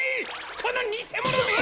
このにせものめ！